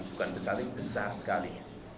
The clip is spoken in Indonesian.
bukan besar ini besar sekali